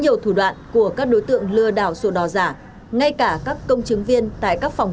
chứa ký của lãnh đạo cơ quan chức năng